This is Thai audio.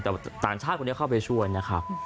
แต่ต่างชาติคนนี้เข้าไปช่วยนะครับ